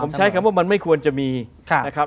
ผมใช้คำว่ามันไม่ควรจะมีนะครับ